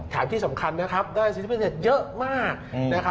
ถามที่สำคัญนะครับด้านอินสติประเทศเยอะมาก